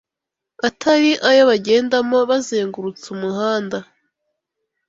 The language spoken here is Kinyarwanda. atari ayo bagendamo bazengurutse umuhanda